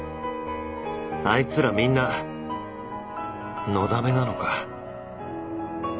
あいつらみんな「のだめ」なのか